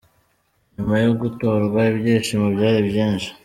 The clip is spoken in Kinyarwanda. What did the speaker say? Nyuma yo gutorwa ibyishimo byari byinshi.